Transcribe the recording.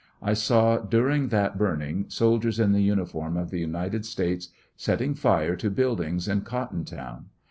I saw, during that burning, soldiers in the uniform of the United States setting fire to buildings in Cotton Town.